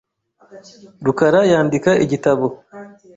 rukara yandika igitabo .